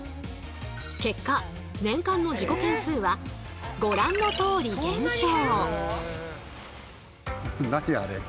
結果年間の事故件数はご覧のとおり減少。